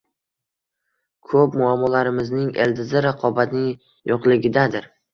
Ko'p muammolarimizning ildizi raqobatning yo'qligidadir